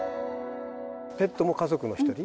ペットも家族のひとり。